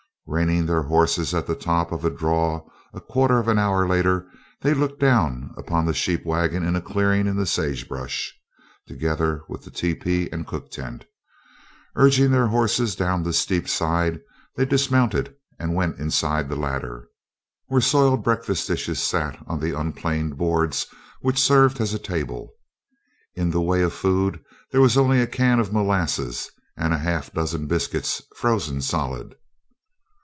Reining their horses at the top of a "draw" a quarter of an hour later they looked down upon the sheep wagon in a clearing in the sagebrush, together with the tepee and cook tent. Urging their horses down the steep side they dismounted and went inside the latter, where soiled breakfast dishes sat on the unplaned boards which served as a table. In the way of food there was only a can of molasses and a half dozen biscuits frozen solid.